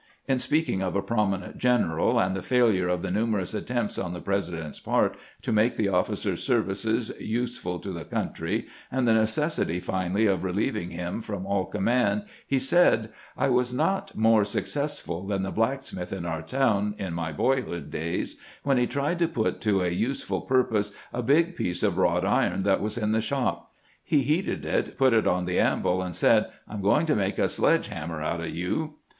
'In speaking of a prominent general, and the failure of the numerous attempts on the President's part to make the officer's services useful to the country, and the necessity finally of relieving him from all command, he said :" I was not more successful than the blacksmith in our town, in my boyhood days, when he tried to put to a useful purpose a big piece of wrought iron that was in the shop. He heated it, put it on the anvil, and said :' I 'm going to make a sledge hammer out of you.'